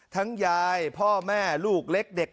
ยายพ่อแม่ลูกเล็กเด็ก